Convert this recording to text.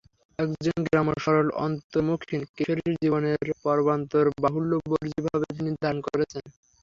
একজন গ্রাম্য সরল অন্তর্মুখিন কিশোরীর জীবনের পর্বান্তর বাহুল্যবর্জিতভাবে তিনি ধারণ করেছেন।